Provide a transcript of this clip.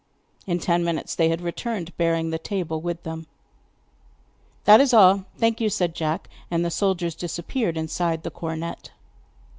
In ten minutes they had returned, bearing the table with them. 'That is all, thank you,' said Jack; and the soldiers disappeared inside the cornet.